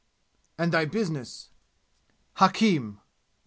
"And thy business?" "Hakim."